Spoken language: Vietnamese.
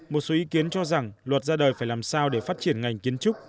một số ý kiến cho rằng luật ra đời phải làm sao để phát triển ngành kiến trúc